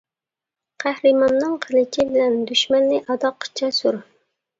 قەھرىماننىڭ قىلىچى بىلەن دۈشمەننى ئاداققىچە سۈر!